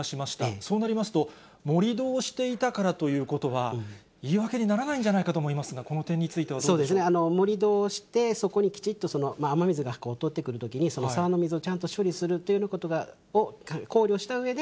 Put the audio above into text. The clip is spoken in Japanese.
そうなりますと、盛り土をしていたからということは、言い訳にならないんではないかと思いますが、この点についてはど盛り土をして、そこにきちっと雨水が通ってくるときに、その沢の水をちゃんと処理するということを考慮したうえで、